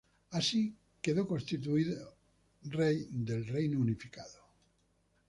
Así, quedó constituido rey del Reino Unificado.